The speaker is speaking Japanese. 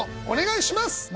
お願いします！